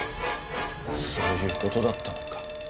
そういう事だったのか。